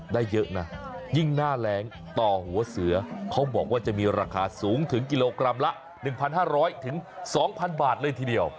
ได้เยอะนะยิ่งหน้าแรงต่อหัวเสือเขาบอกว่าจะมีราคาสูงถึงกิโลกรัมละ๑๕๐๐๒๐๐บาทเลยทีเดียว